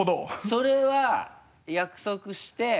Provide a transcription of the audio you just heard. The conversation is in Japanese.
それは約束して。